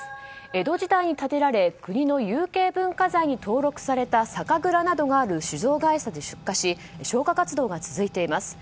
江戸時代に建てられ国の有形文化財に登録された酒蔵などがある酒造会社で出火し消火活動が続いています。